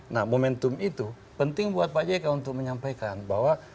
nah momentum itu penting buat pak jk untuk menyampaikan bahwa